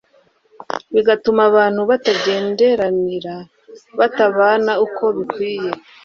bigatuma abantu batagenderanira batabana uko bikwiye